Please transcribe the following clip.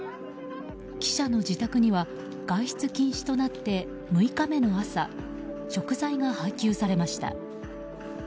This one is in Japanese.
記者の自宅には外出禁止となって６日目の朝食材が配給されました。